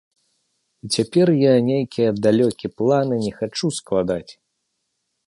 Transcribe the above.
І цяпер я нейкія далёкі планы не хачу складаць.